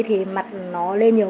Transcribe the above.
thì mặt nó lên nhiều mụn